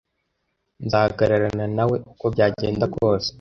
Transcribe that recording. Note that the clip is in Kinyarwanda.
Nzahagararana nawe uko byagenda kose.